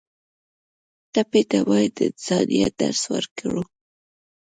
ټپي ته باید د انسانیت درس ورکړو.